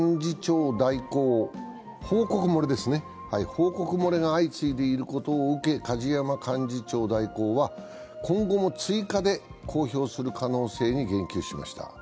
報告漏れが相次いでいることを受け、梶山幹事長代行は今後も、追加で公表する可能性に言及しました。